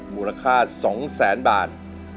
มูลค่า๒๐๐๐๐๐บาท